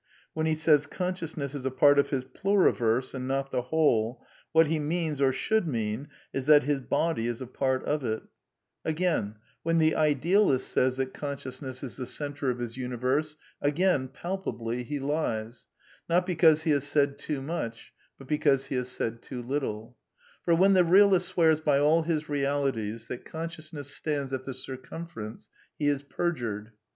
When he says consciousness is a part of his pluriverse and not the whole, what he means, or should mean, is that his body is a part of it. Again, ' CONCLUSIONS 309 1. when tfii& idealis t Sa^ S that rnTiflmnnaTiftflfi la tliP. f»f>Titrft of his universe," again, palpably, he lies: not because hfi.has saTdloo miich^'bul beeaiise he has .said too little. Fbr^ when the realist swears by all his realities that consciousness stands at the circumference, he is perjured.